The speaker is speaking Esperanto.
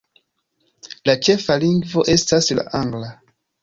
La ĉefa lingvo estas la Angla.